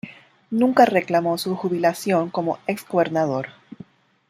Nunca reclamó su jubilación como ex gobernador.